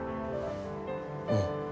うん。